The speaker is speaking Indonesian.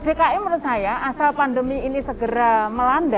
dki menurut saya asal pandemi ini segera melanda